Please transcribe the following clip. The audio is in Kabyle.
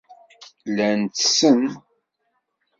Llan ttessen.